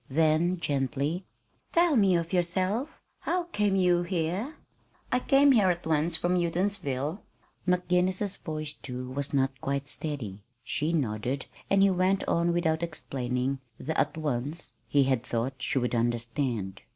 Then, gently: "Tell me of yourself. How came you here?" "I came here at once from Houghtonsville." McGinnis's voice, too, was not quite steady. She nodded, and he went on without explaining the "at once" he had thought she would understand.